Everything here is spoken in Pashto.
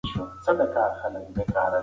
فشارونه باید په سړه سینه وزغمل شي.